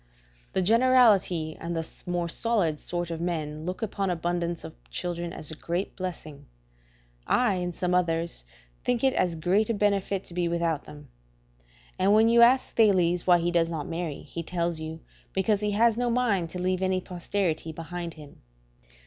The generality and more solid sort of men look upon abundance of children as a great blessing; I, and some others, think it as great a benefit to be without them. And when you ask Thales why he does not marry, he tells you, because he has no mind to leave any posterity behind him.